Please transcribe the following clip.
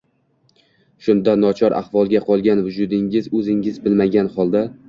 Shunda, nochor ahvolda qolgan vujudingiz, o‘zingiz bilmagan holda...